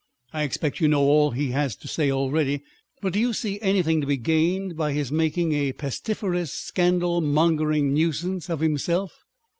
I expect you know all he has to say already. But do you see anything to be gained by his making a pestiferous, scandal mongering nuisance of himself?"